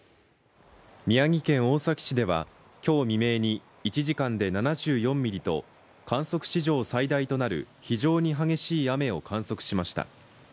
宮城県大崎市では今日未明に１時間で７４ミリと観測史上最大となる非常に激しい雨を観測しました。